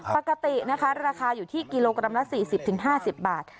ปกตินะคะราคาอยู่ที่กิโลกรัมละ๔๐๕๐บาท